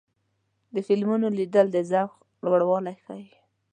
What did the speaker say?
د فلمونو لیدل د ذوق لوړوالی ښيي.